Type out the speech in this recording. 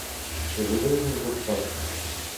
Чи живий він зостався?